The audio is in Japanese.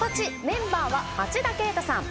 メンバーは町田啓太さん。